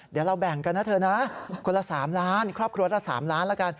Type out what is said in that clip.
เดี๋ยวเราแบ่งกันนะเธอนะคนละ๓ล้านครอบครัวละ๓ล้านละกัน